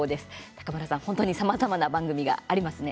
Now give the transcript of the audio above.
高村さん、本当にさまざまな番組がありますね。